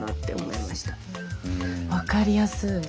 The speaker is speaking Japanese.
分かりやすい。